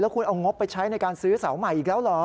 คุณเอางบไปใช้ในการซื้อเสาใหม่อีกแล้วเหรอ